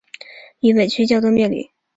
渝北区交通便捷。